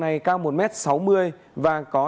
này cao một m sáu mươi và có